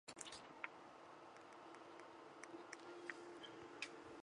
喜欢的东西是葡萄。